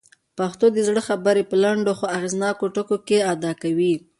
پښتو د زړه خبرې په لنډو خو اغېزناکو ټکو کي ادا کوي.